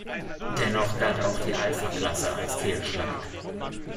Dennoch galt auch die Alfa-Klasse als Fehlschlag.